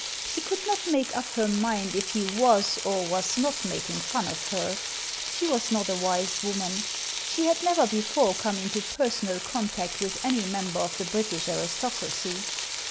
She could not make up her mind if he was or was not making fun of her. She was not a wise woman. She had never before come into personal contact with any member of the British aristocracy.